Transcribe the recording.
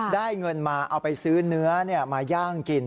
ได้เงินมาเอาไปซื้อเนื้อมาย่างกิน